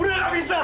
udah gak bisa